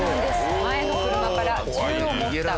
前の車から銃を持った強盗が。